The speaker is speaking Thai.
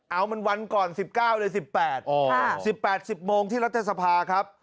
เอามันวันก่อน๑๙เลย๑๘๑๘๑๐โมงที่รัฐสภาครับ